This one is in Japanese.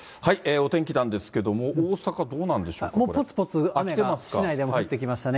お天気なんですけれども、大阪どうなんでしょうか、もうぽつぽつ雨が市内でも降ってきましたね。